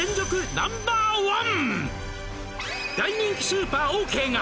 「大人気スーパーオーケーが」